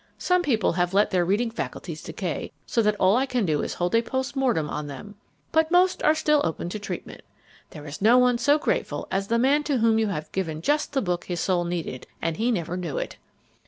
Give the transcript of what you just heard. Some people have let their reading faculties decay so that all I can do is hold a post mortem on them. But most are still open to treatment. There is no one so grateful as the man to whom you have given just the book his soul needed and he never knew it.